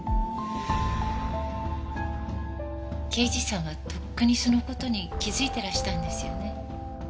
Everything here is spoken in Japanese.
刑事さんはとっくにその事に気づいてらしたんですよね？